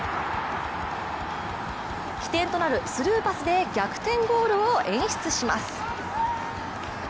起点となるスルーパスで逆転ゴールを演出します。